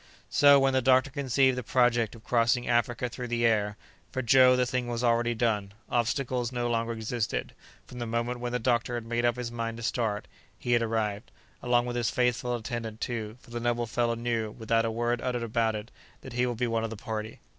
So, when the doctor conceived the project of crossing Africa through the air, for Joe the thing was already done; obstacles no longer existed; from the moment when the doctor had made up his mind to start, he had arrived—along with his faithful attendant, too, for the noble fellow knew, without a word uttered about it, that he would be one of the party.